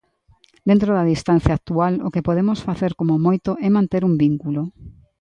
Dentro da distancia actual o que podemos facer como moito é manter un vínculo.